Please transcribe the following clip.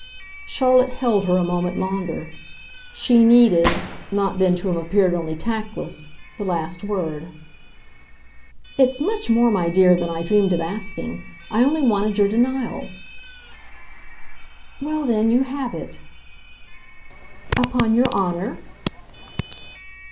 Charlotte held her a moment longer: she needed not then to have appeared only tactless the last word. "It's much more, my dear, than I dreamed of asking. I only wanted your denial." "Well then, you have it." "Upon your honour?"